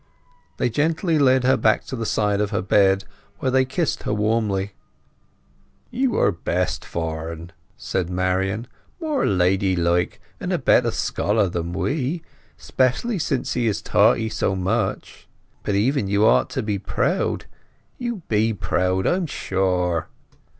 They gently led her back to the side of her bed, where they kissed her warmly. "You are best for'n," said Marian. "More ladylike, and a better scholar than we, especially since he had taught 'ee so much. But even you ought to be proud. You be proud, I'm sure!"